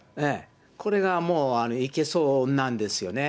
これがもう、いけそうなんですよね。